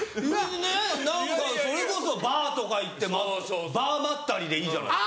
ねぇ何かそれこそバーとか行ってバーまったりでいいじゃないですか。